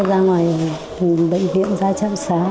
ra ngoài bệnh viện ra chăm sóc